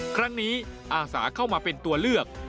ครั้งนี้อาสาเข้ามาเป็นตัวเลือก